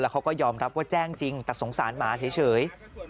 เขาก็ยอมรับว่าแจ้งจริงแต่สงสารหมาเฉย